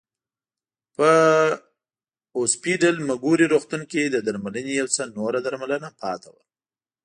په اوسپیډل مګوري روغتون کې د درملنې یو څه نوره درملنه پاتې وه.